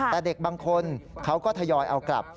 แต่เด็กบางคนเขาก็ทยอยเอากลับ